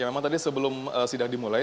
memang tadi sebelum sidang dimulai